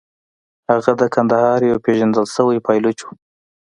هغه د کندهار یو پېژندل شوی پایلوچ و.